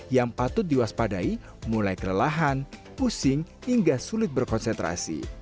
yang patut diwaspadai mulai kelelahan pusing hingga sulit berkonsentrasi